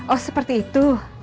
oh seperti itu